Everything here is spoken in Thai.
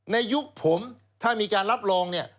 ยุคผมถ้ามีการรับรองเนี่ย